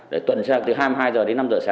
để tuần tra từ hai mươi hai h đến năm h sáng